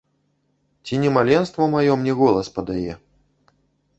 Ці не маленства маё мне голас падае?